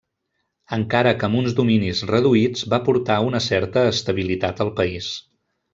Encara que amb uns dominis reduïts va portar una certa estabilitat al país.